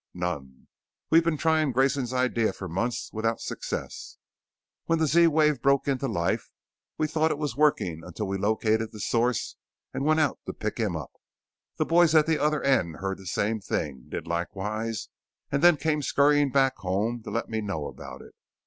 "None. We'd been trying Grayson's idea for months without success. When the Z wave broke into life we thought it was working until we located the source and went out to pick him up. The boys at the other end heard the same thing, did likewise, and then came scurrying back home to let me know about it.